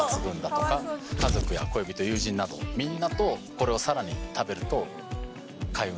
家族や恋人友人などみんなとこれをさらに食べると開運します